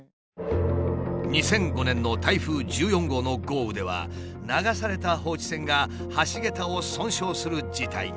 ２００５年の台風１４号の豪雨では流された放置船が橋桁を損傷する事態に。